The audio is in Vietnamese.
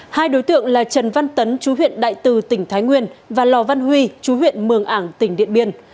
hai đối tượng là trần văn tấn chú huyện đại từ tỉnh thái nguyên và lò văn huy chú huyện mường ảng tỉnh điện biên